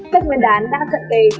các nguyên đán đã dẫn kể